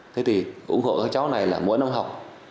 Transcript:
thế thì cũng ủng hộ các cháu này là mỗi năm học